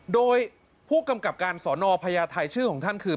โดยผู้กำกับการสอนอพญาไทยชื่อของท่านคือ